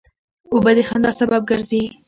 اوبه د خندا سبب ګرځي.